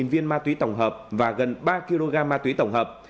một mươi viên ma túy tổng hợp và gần ba kg ma túy tổng hợp